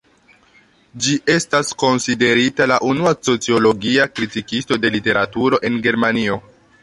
Ĝi estas konsiderita la unua "sociologia" kritikisto de literaturo en Germanio.